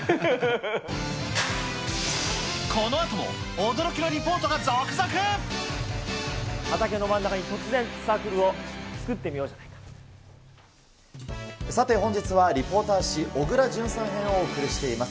このあと、畑の真ん中に突然、サークルさて、本日はリポーター史、小倉淳さん編をお送りしています。